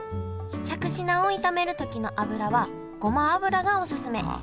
しゃくし菜を炒める時の油はごま油がおすすめ。